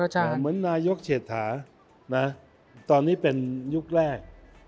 เหมือนนายกเศรษฐาตอนนี้เป็นยุคแรก